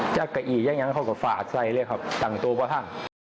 จากกะอีย์ยังยังเขาก็ฝาดใส่เลยครับต่างตัวประทั่ง